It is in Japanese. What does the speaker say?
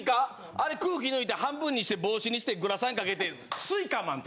あれ空気抜いて半分にして帽子にしてグラサンかけて。